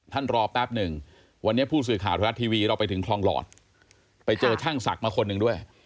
รอแป๊บหนึ่งวันนี้ผู้สื่อข่าวไทยรัฐทีวีเราไปถึงคลองหลอดไปเจอช่างศักดิ์มาคนหนึ่งด้วย